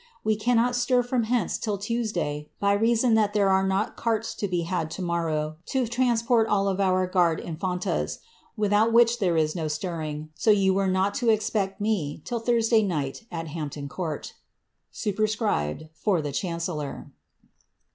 We cannot stir from hence till Tuesday, by m«on that t]ierc are not carts to bo had to morrow to transport all our guardt' infantas, without which there is no stirring, so you are not to expect me till lliun«iay night at Hampton Court" [Superscribed —For the Chancellor.'